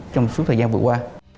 trong suốt thời gian vừa qua